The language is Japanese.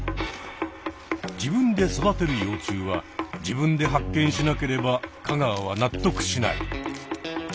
自分で育てる幼虫は自分で発見しなければ香川は納得しない。